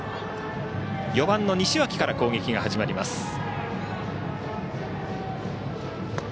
４番の西脇から攻撃が始まります。